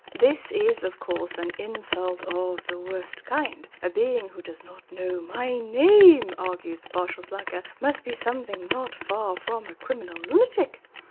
This is, of course, an insult of the worst kind. "A being who does not know my name," argues the partial slacker, "must be something not far from a criminal lunatic."